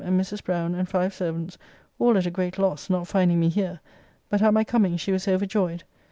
and Mrs. Browne' and five servants, all at a great loss, not finding me here, but at my coming she was overjoyed.